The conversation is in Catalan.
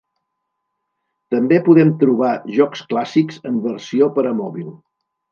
També podem trobar jocs clàssics en versió per a mòbil.